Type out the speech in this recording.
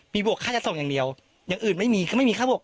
มีบวกค่าจัดส่งอย่างเดียวอย่างอื่นไม่มีก็ไม่มีค่าบวก